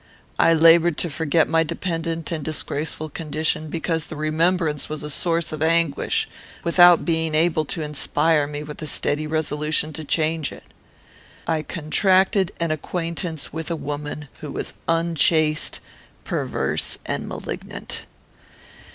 I laboured to forget my dependent and disgraceful condition, because the remembrance was a source of anguish, without being able to inspire me with a steady resolution to change it. "I contracted an acquaintance with a woman who was unchaste, perverse, and malignant.